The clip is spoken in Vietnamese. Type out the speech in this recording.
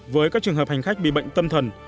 với các trường hợp hành khách bị bệnh tâm thần